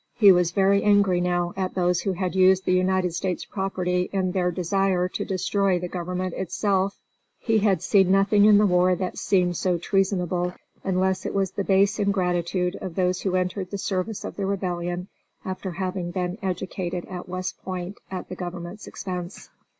He was very angry now at those who had used the United States property in their desire to destroy the government itself. He had seen nothing in the war that seemed so treasonable, unless it was the base ingratitude of those who entered the service of the Rebellion after having been educated at West Point at the Government's expense.